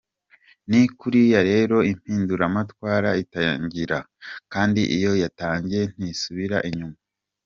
Ni kuriya rero impinduramatwara itangira, kandi iyo yatangiye ntisubira inyuma!